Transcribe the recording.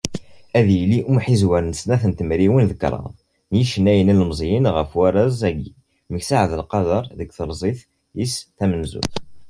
Ad yili umḥizwer n snat tmerwin d kraḍ, n yicennayen ilmeẓyen ɣef warraz-agi "Meksa Ɛabdelqader", deg tezrigt-is tamenzut.